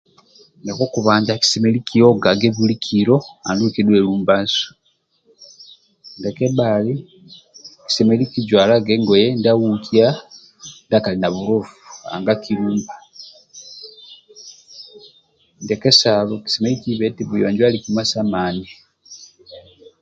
Ndia kokubanja kisemelelu kiogage buli kilo andulu kidhuwe lumbasu ndia kebhali kisemelelu kijwalage ngoye ndia aukia ndia kali na bulofu ndia kesalo kisemelelu kibe ngu buyonjo ali kima sa mani